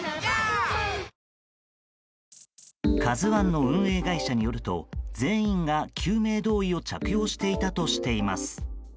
「ＫＡＺＵ１」の運営会社によると全員が救命胴衣を着用していたといいます。